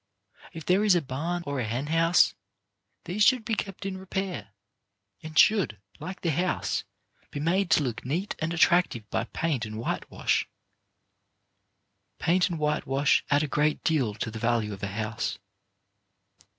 If there is a barn or a henhouse, these should be kept in repair, and should, like the house, be made to look neat and attractive by paint and whitewash. Paint and whitewash add a great deal to the value of a house.